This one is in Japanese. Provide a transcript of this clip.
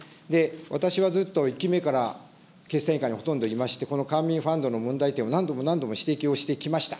私はずっと１期目から委員会にほとんどいまして、問題点を何度も何度も指摘をしてきました。